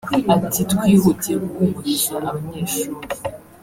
Ati ‘Twihutiye guhumuriza abanyeshuri